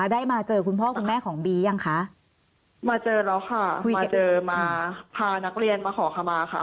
ได้มาเจอคุณพ่อคุณแม่ของบียังคะมาเจอแล้วค่ะคุยเจอมาพานักเรียนมาขอขมาค่ะ